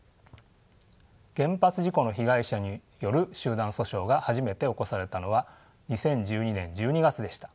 原発事故の被害者による集団訴訟が初めて起こされたのは２０１２年１２月でした。